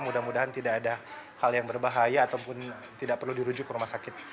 mudah mudahan tidak ada hal yang berbahaya ataupun tidak perlu dirujuk ke rumah sakit